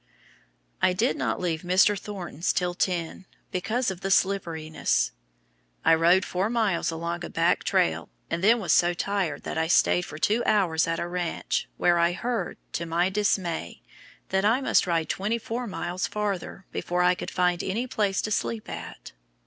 I did not leave Mr. Thornton's till ten, because of the slipperiness. I rode four miles along a back trail, and then was so tired that I stayed for two hours at a ranch, where I heard, to my dismay, that I must ride twenty four miles farther before I could find any place to sleep at.